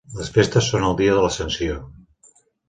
Les festes són el dia de l'Ascensió.